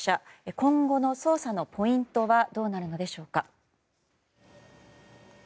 今後の捜査のポイントはどうなるのでしょうか。